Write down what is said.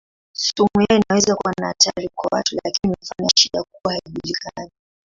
Sumu yao inaweza kuwa na hatari kwa watu lakini mifano ya shida kubwa haijulikani.